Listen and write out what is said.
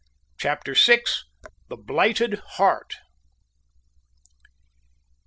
CHAPTER VI. THE BLIGHTED HEART.